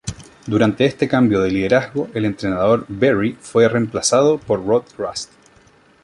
Durante este cambio de liderazgo, el entrenador Berry fue remplazado por Rod Rust.